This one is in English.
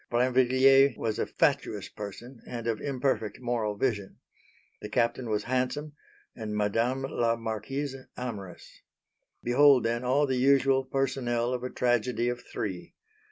Brinvilliers was a fatuous person and of imperfect moral vision. The Captain was handsome, and Madame la Marquise amorous. Behold then all the usual personnel of a tragedy of three.